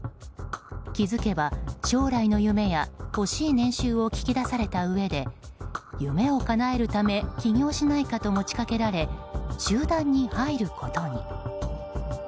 気づけば将来の夢や欲しい年収を聞き出されたうえで夢をかなえるために起業しないかと持ち掛けられ集団に入ることに。